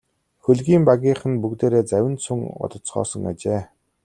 Хөлгийн багийнхан бүгдээрээ завинд суун одоцгоосон ажээ.